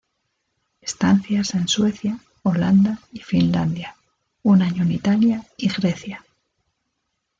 Estancias en Suecia, Holanda y Finlandia, un año en Italia y Grecia.